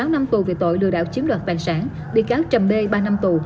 một mươi sáu năm tù viện tội lừa đảo chiếm đoạt tài sản bị cáo trầm bê ba năm tù